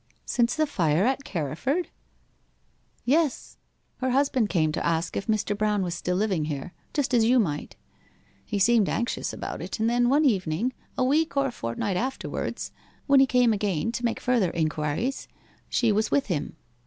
'Since the fire at Carriford?' 'Yes. Her husband came to ask if Mr. Brown was still living here just as you might. He seemed anxious about it; and then one evening, a week or fortnight afterwards, when he came again to make further inquiries, she was with him.